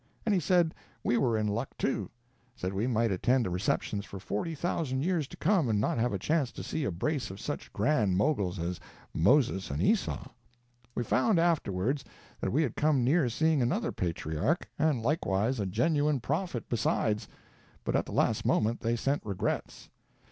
And he said we were in luck, too; said we might attend receptions for forty thousand years to come, and not have a chance to see a brace of such grand moguls as Moses and Esau. We found afterwards that we had come near seeing another patriarch, and likewise a genuine prophet besides, but at the last moment they sent regrets.